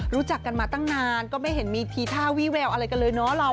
รู้จักกันมาตั้งนานก็ไม่เห็นมีทีท่าวีแววอะไรกันเลยเนาะเรา